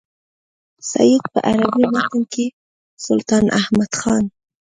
سید په عربي متن کې سلطان احمد خان.